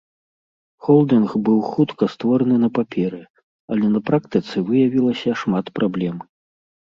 Холдынг быў хутка створаны на паперы, але на практыцы выявілася шмат праблем.